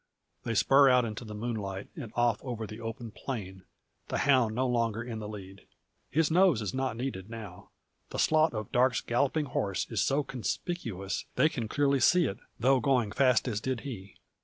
They spur out into the moonlight, and off over the open plain, the hound no longer in the lead. His nose is not needed now. The slot of Darke's galloping horse is so conspicuous they can clearly see it, though going fast as did he.